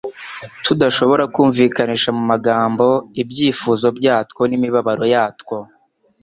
tudashobora kumvikanisha mu magambo ibyifuzo byatwo n'imibabaro yatwo.